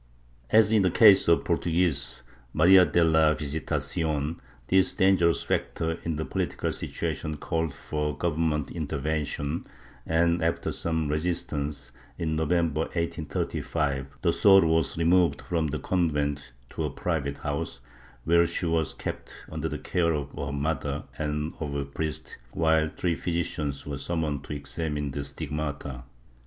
As in the case of the Portuguese Maria de la Visitacion, this dangerous factor in the political situation called for governmental interven tion and, after some resistance, in November 1835, the Sor was removed from the convent to a private house, where she was kept under the care of her mother and of a priest, while three physicians were summoned to examine the stigmata.